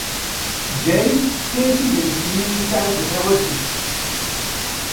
Jane tefka-as idrimen-nni i Saɛida Tawasift.